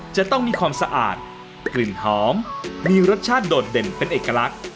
จะต้องมีความสะอาดกลิ่นหอมมีรสชาติโดดเด่นเป็นเอกลักษณ์